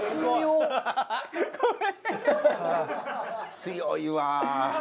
強いわ。